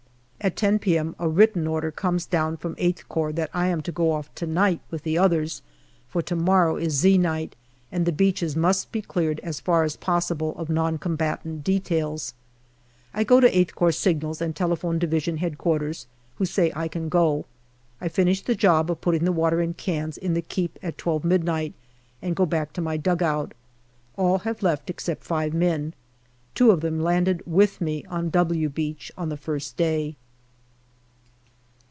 At 10 p.m. a written order comes down from VIII Corps that I am to go off to night with the others, for to morrow is " Z " night, and the beaches must be cleared as far as possible of non combatant details. I go to VIII Corps Signals and telephone D.H.Q., who say I can go. I finish the job of putting the water in cans in the keep at twelve midnight and go back to my dugout. All have left except five men. Two of them landed with me on " W " Beach on the first day.